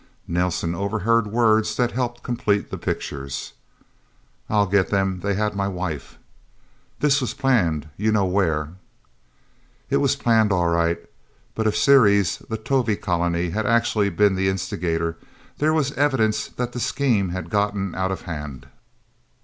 Nelsen overheard words that helped complete the pictures: "I'll get them... They had my wife..." "This was planned you know where..." It was planned, all right. But if Ceres, the Tovie colony, had actually been the instigator, there was evidence that the scheme had gotten out of hand.